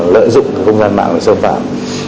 lợi dụng công gian mạng và sơ phạm